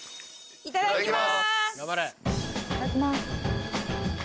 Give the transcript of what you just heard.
いただきます。